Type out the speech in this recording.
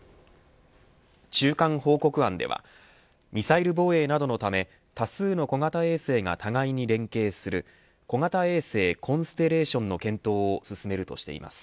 中間報告案ではミサイル防衛などのため多数の小型衛星が互いに連携する小型衛星コンステレーションの検討を進めるとしています。